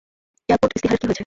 Airport ইস্তাহারের কী হয়েছে?